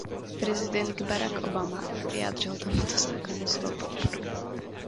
Prezident Barack Obama vyjádřil tomuto zákonu svou podporu.